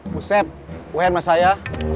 bu sep bu hen masaya